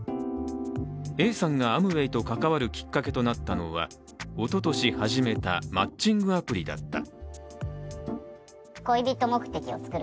Ａさんがアムウェイと関わるきっかけとなったのは、おととし始めたマッチングアプリだった。